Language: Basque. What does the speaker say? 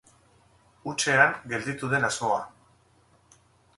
Hutsean gelditu den asmoa.